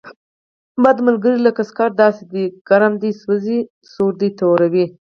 بد ملګری لکه سکاره داسې دی، چې ګرم دې سوځوي او سوړ دې توروي.